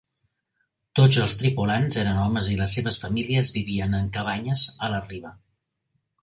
Tots els tripulants eren homes i les seves famílies vivien en cabanyes a la riba.